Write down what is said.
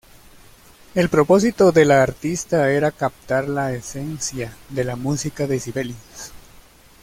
El propósito de la artista era captar la esencia de la música de Sibelius.